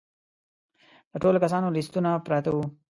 د ټولو کسانو لیستونه پراته وي.